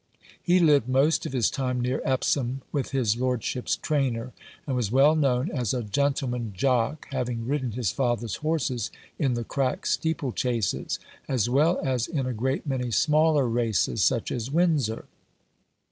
He lived most of his time near Epsom with his lordship's trainer, and was well known as a gentleman jock, having ridden his father's horses in the crack steeplechases, as well as in a great many smaller races — such as Windsor.